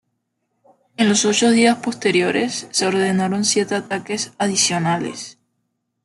En los ocho días posteriores se ordenaron siete ataques adicionales.